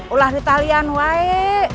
ulah di talian woi